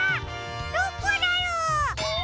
どこだろう？